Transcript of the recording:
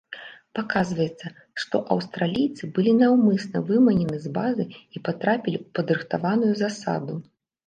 Паказваецца, што аўстралійцы былі наўмысна выманены з базы і патрапілі ў падрыхтаваную засаду.